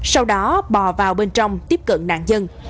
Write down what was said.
sau đó bò vào bên trong tiếp cận nạn nhân